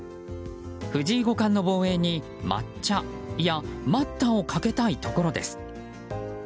藤井五冠の防衛に抹茶いや、待ったをかけたいところです。